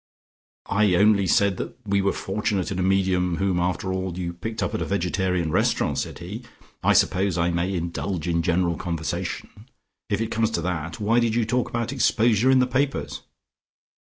"I only said that we were fortunate in a medium whom after all you picked up at a vegetarian restaurant," said he. "I suppose I may indulge in general conversation. If it comes to that, why did you talk about exposure in the papers?"